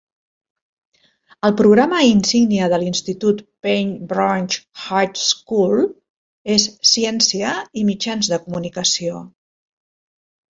El programa insígnia de l'institut Paint Branch High School és Ciència i Mitjans de comunicació.